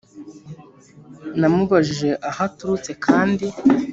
Namubajije aho aturutse kandi